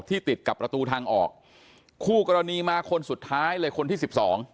ที่ติดกับระตูทางออกคู่กรณีมาคนสุดท้ายเลยคนที่๑๒